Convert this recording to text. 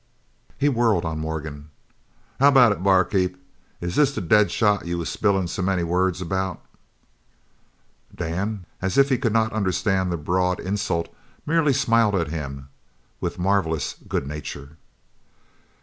He whirled on Morgan. "How about it, bar keep, is this the dead shot you was spillin' so many words about?" Dan, as if he could not understand the broad insult, merely smiled at him with marvellous good nature.